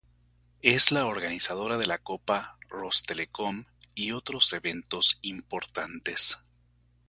Es la organizadora de la Copa Rostelecom y otros eventos importantes.